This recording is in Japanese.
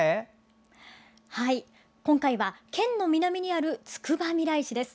今回は県の南にあるつくばみらい市です。